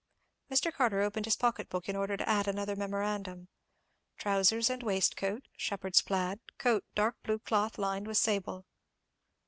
Mr. Carter opened his pocket book in order to add another memorandum— Trousers and waistcoat, shepherd's plaid; coat, dark blue cloth lined with sable.